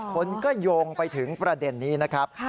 คนก็โยงไปถึงประเด็นนี้นะครับ